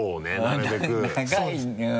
長い。